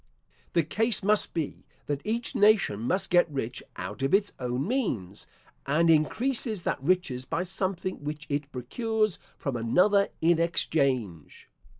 The case must be, that each nation must get rich out of its own means, and increases that riches by something which it procures from another in exchange.